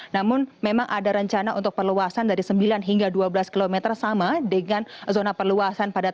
namun memang ada rencana untuk perluasan dari sembilan hingga dua belas km sama dengan zona perluasan